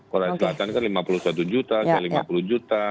korea selatan kan lima puluh satu juta saya lima puluh juta